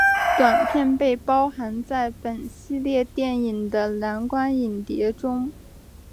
短片被包含在本系列电影的蓝光影碟中。